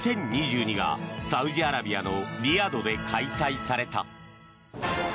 ２０２２がサウジアラビアのリヤドで開催された。